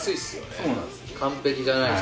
そうなんです。